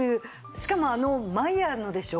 しかもあのマイヤーのでしょ？